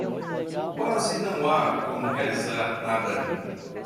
Quase não há como realizar nada